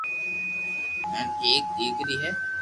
ھين ايڪ ديڪري ھي